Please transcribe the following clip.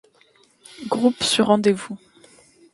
Groupes sur rendez-vous.